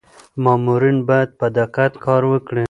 مامورین باید په دقت کار وکړي.